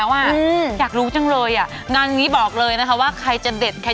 บ้าเหรอเห็นเสื้อชุดเข้ากันใช่ไหม